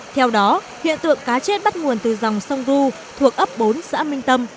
theo đó hiện tượng cá chết bắt nguồn từ dòng sông du thuộc ấp bốn xã minh tâm